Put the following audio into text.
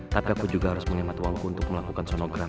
tapi aku juga harus menghemat waktu untuk melakukan sonogram